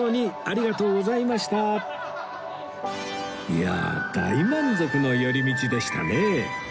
いやー大満足の寄り道でしたね